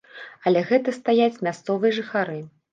Але гэта стаяць мясцовыя жыхары.